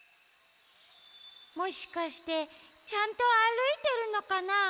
もしかしてちゃんとあるいてるのかな？